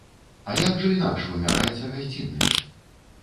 А як жа інакш вымяраецца гасціннасць?